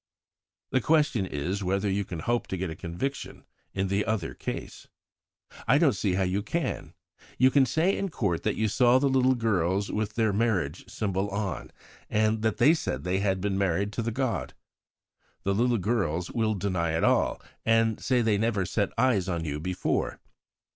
"The question is whether you can hope to get a conviction in the other case. "I don't see how you can. You can say in court that you saw the little girls with their marriage symbol on, and that they said they had been married to the god. The little girls will deny it all, and say they never set eyes on you before.